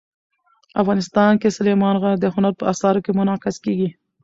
افغانستان کې سلیمان غر د هنر په اثار کې منعکس کېږي.